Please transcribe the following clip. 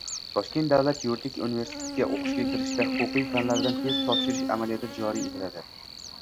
Toshkent davlat yuridik universitetiga o‘qishga kirishda huquqiy fanlardan test topshirish amaliyoti joriy etiladi